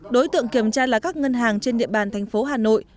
đối tượng kiểm tra là các ngân hàng trên địa bàn thành phố hà nội